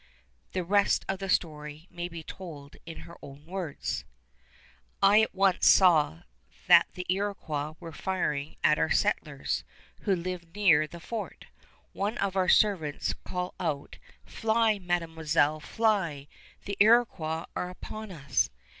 The rest of the story may be told in her own words: I at once saw that the Iroquois were firing at our settlers, who lived near the fort. One of our servants call out: "Fly, Mademoiselle, fly! The Iroquois are upon us!"